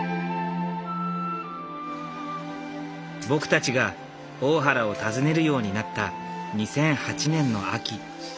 僕たちが大原を訪ねるようになった２００８年の秋。